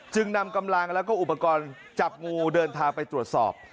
นำกำลังแล้วก็อุปกรณ์จับงูเดินทางไปตรวจสอบ